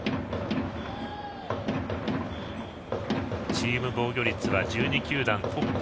チーム防御率は１２球団トップ。